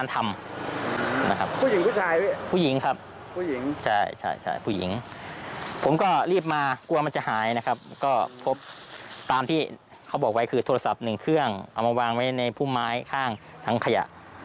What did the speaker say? ตามที่เขาบอกไว้คือโทรศัพท์หนึ่งเครื่องเอามาวางไว้ในพุ่มไม้ข้างทางขยะ